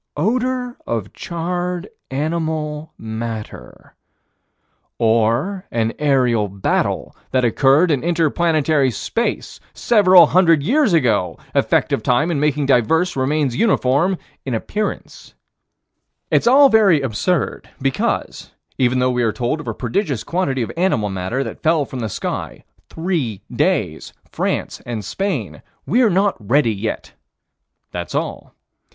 "Odor of charred animal matter." Or an aerial battle that occurred in inter planetary space several hundred years ago effect of time in making diverse remains uniform in appearance It's all very absurd because, even though we are told of a prodigious quantity of animal matter that fell from the sky three days France and Spain we're not ready yet: that's all.